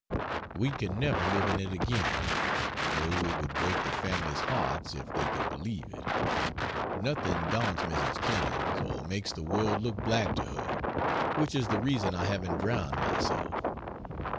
We can never live in it again; though it would break the family's hearts if they could believe it. Nothing daunts Mrs. Clemens or makes the world look black to her which is the reason I haven't drowned myself.